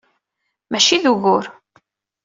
Maci d ugur!